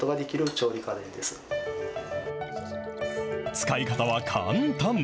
使い方は簡単。